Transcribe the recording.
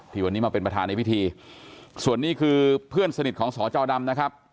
วันนี้มาเป็นประธานในพิธีส่วนนี้คือเพื่อนสนิทของสจดำนะครับ